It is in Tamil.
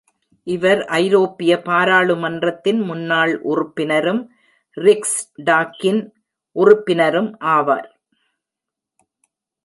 இவர் ஐரோப்பிய பாராளுமன்றத்தின் முன்னாள் உறுப்பினரும் ரிக்ஸ்டாக்கின் உறுப்பினரும் ஆவார்.